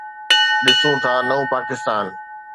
ڏسون ٿا نئون پاڪستان.